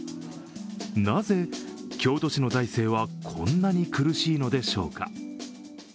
なぜ京都市の財政はこんなに苦しいのでしょうか。